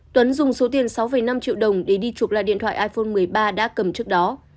tuấn dùng số tiền sáu năm triệu đồng để đi chụp lại điện thoại iphone một mươi ba đã cầm trước đó